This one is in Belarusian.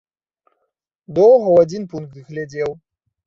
Доўга ў адзін пункт глядзеў.